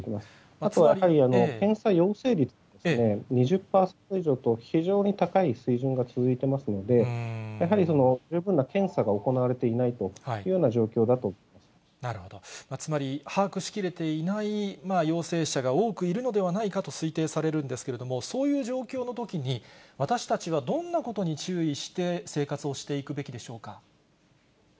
あとはやはり検査陽性率が２０％以上と、非常に高い水準が続いてますので、やはり十分な検査が行われていないというような状況だつまり、把握しきれていない陽性者が多くいるのではないかと推定されるんですけれども、そういう状況のときに、私たちはどんなことに注意して、生活をしていくべきでしょうか。